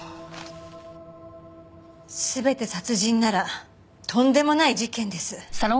全て殺人ならとんでもない事件です。